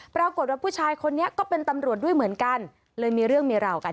ปรากฏว่าผู้ชายคนนี้ก็เป็นตำรวจด้วยเหมือนกันเลยมีเรื่องมีราวกัน